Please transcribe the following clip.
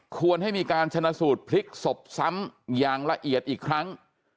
ควรให้มีการชนะสูตรพลิกศพซ้ำอย่างละเอียดอีกครั้ง